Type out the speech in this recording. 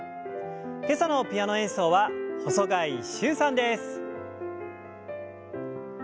今朝のピアノ演奏は細貝柊さんです。